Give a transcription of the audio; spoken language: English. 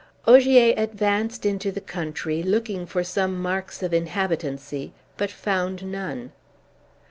Ogier advanced into the country, looking for some marks of inhabitancy, but found none.